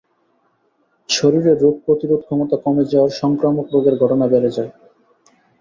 শরীরে রোগ প্রতিরোধ ক্ষমতা কমে যাওয়ায় সংক্রামক রোগের ঘটনা বেড়ে যায়।